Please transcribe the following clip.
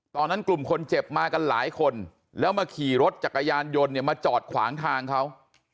ตอนนั้นกลุ่มคนเจ็บมากันหลายคนแล้วมาขี่รถจักรยานยนต์เนี่ยมาจอดขวางทางเขา